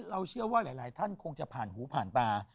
เราเชื่อว่าหลายท่านคงจะผ่านหูผ่านตา